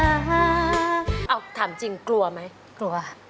เอาถามจริงกลัวไหมกลัว